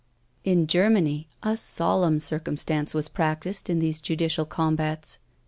In Germany, a solemn circumstance was practised in these judicial combats.